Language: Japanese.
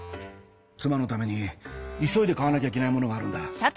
妻のために急いで買わなきゃいけないものがあるんだ。